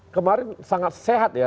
kemarin sangat sehat ya